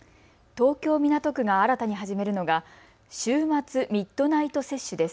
東京港区が新たに始めるのが週末ミッドナイト接種です。